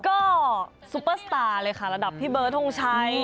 ก็ซุปเปอร์สตาร์เลยค่ะระดับพี่เบิร์ดทงชัย